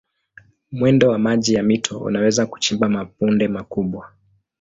Mwendo wa maji ya mito unaweza kuchimba mabonde makubwa.